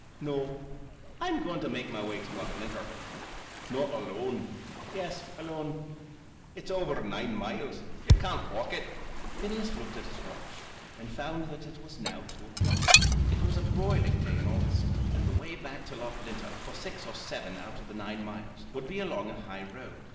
"No; I'm going to make my way to Loughlinter." "Not alone?" "Yes, alone." "It's over nine miles. You can't walk it." Phineas looked at his watch, and found that it was now two o'clock. It was a broiling day in August, and the way back to Loughlinter, for six or seven out of the nine miles, would be along a high road.